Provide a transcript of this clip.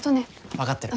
分かってる。